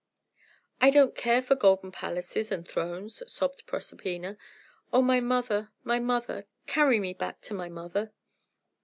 "I don't care for golden palaces and thrones," sobbed Proserpina. "Oh, my mother, my mother! Carry me back to my mother!"